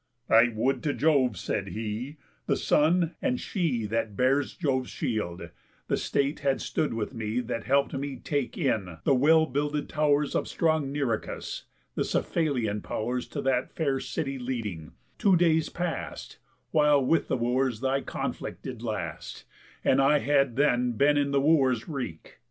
"I would to Jove," said he, "the Sun, and She That bears Jove's shield, the state had stood with me That help'd me take in the well builded tow'rs Of strong Nericus (the Cephalian pow'rs To that fair city leading) two days past, While with the Wooers thy conflict did last, And I had then been in the Wooers' wreak!